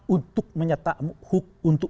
untuk menyatakan untuk